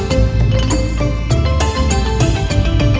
โชว์สี่ภาคจากอัลคาซ่าครับ